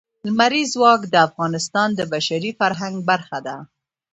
لمریز ځواک د افغانستان د بشري فرهنګ برخه ده.